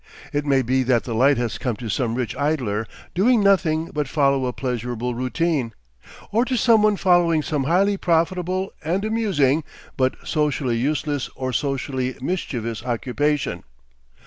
It may be that the light has come to some rich idler doing nothing but follow a pleasurable routine. Or to someone following some highly profitable and amusing, but socially useless or socially mischievous occupation.